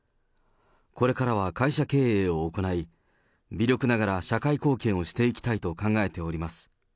これからは会社経営を行い、微力ながら社会貢献をしていきたいと考えております。